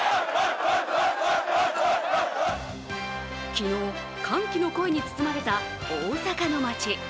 昨日、歓喜の声に包まれた大阪の街。